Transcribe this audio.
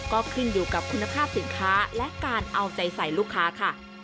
ก็ขึ้นอยู่กับคุณภาพสินค้าและการเอาใจใส่ลูกค้าค่ะ